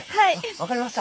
分かりました。